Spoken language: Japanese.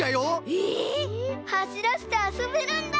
えっ！？はしらせてあそべるんだ！